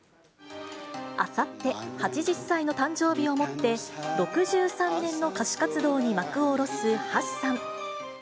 あさって、８０歳の誕生日をもって、６３年の歌手活動に幕を下ろす橋さん。